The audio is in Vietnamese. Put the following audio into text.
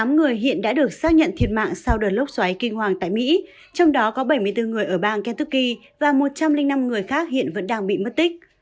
tám người hiện đã được xác nhận thiệt mạng sau đợt lốc xoáy kinh hoàng tại mỹ trong đó có bảy mươi bốn người ở bang kentuki và một trăm linh năm người khác hiện vẫn đang bị mất tích